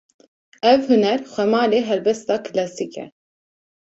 Ev huner, xwemalê helbesta klasîk e